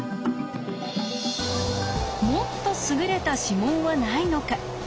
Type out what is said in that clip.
もっと優れた指紋はないのか？